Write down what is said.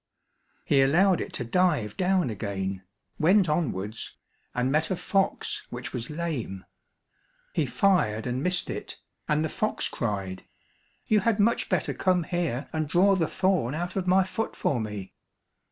He allowed it to dive down again, went onwards, and met a fox which was lame. He fired and missed it, and the fox cried, "You had much better come here and draw the thorn out of my foot for me."